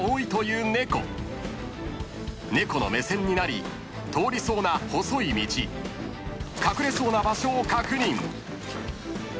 ［猫の目線になり通りそうな細い道隠れそうな場所を確認］